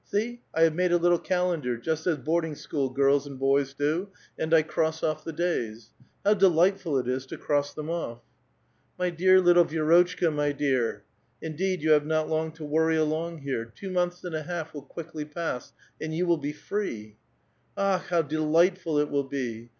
See I have made a little calendar just as boarding school girls and boj's do, and I cross off the days. How delightful it is to cross them off !"My dear little Vi^rotchka, my dear !* Indeed, you have not long to worry along here ; two months and a half will <l^ickly pass, and you will be free." 4M/ how delightful it will be!